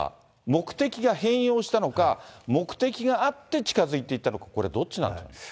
目的が変容したのか、目的があって近づいていったのか、これ、どっちなんですか。